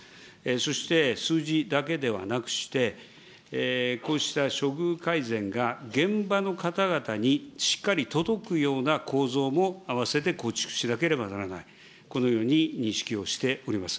そして数字だけではなくして、こうした処遇改善が現場の方々にしっかり届くような構造も併せて構築しなければならない、このように認識をしております。